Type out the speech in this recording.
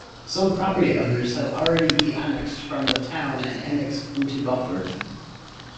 Some property owners have already de-annexed from the town and annexed into Buford.